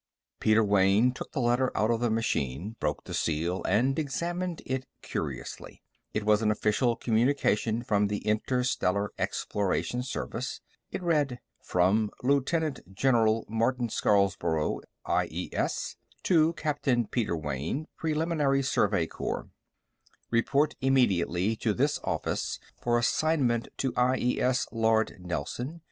_ Peter Wayne took the letter out of the machine, broke the seal, and examined it curiously. It was an official communication from the Interstellar Exploration Service. It read: FROM: Lieutenant General Martin Scarborough, I.E.S. TO: Captain Peter Wayne, Preliminary Survey Corps Report immediately to this office for assignment to I.E.S. Lord Nelson.